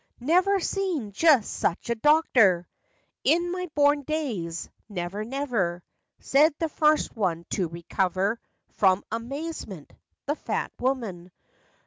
" Never seen jess such a doctor! In my born days; never, never!" Said the first one to recover From amazement—the fat woman.